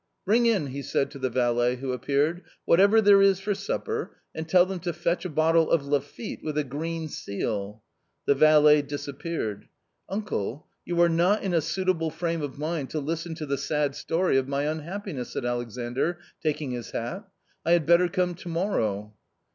" Bring in," he said to the valet who appeared, " whatever there is for supper, and tell them to fetch a bottle of Lafitte with a green seal." The valet disappeared. " Uncle ! you are not in a suitable frame of mind to listen to the sad story of my unhappiness," said Alexandr, taking his hat :" I had better come to morrow."